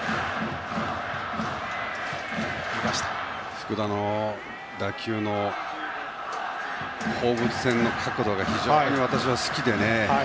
福田の打球の放物線の角度が非常に私は好きでね。